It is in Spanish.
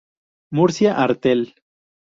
Murcia Artel".